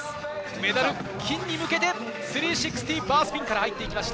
メダル金に向けて、３６０バースピン。